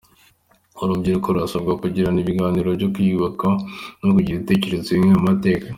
Urubyiruko rurasabwa kugirana ibiganiro byo kwiyubaka no kugira ibitekerezo bimwe ku mateka.